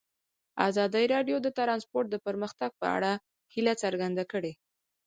ازادي راډیو د ترانسپورټ د پرمختګ په اړه هیله څرګنده کړې.